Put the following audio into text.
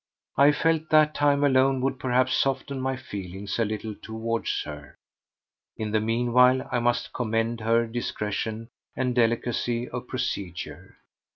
I felt that time alone would perhaps soften my feelings a little towards her. In the meanwhile I must commend her discretion and delicacy of procedure.